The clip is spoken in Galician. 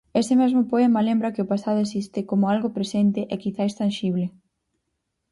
Ese mesmo poema lembra que o pasado existe como algo presente e quizais tanxible.